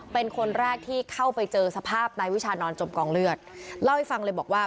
เป็นคนแรกที่เข้าไปเจอสภาพนายวิชานอนจมกองเลือดเล่าให้ฟังเลยบอกว่า